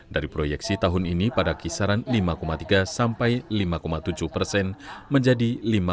dari proyeksi tahun ini pada kisaran lima tiga sampai lima tujuh persen menjadi lima enam